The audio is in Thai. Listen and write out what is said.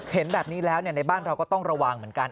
เห็นแบบนี้แล้วในบ้านเราก็ต้องระวังเหมือนกัน